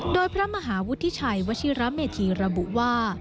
โดยพระมหาวุฒิชัยวชิระเมธีระบุว่า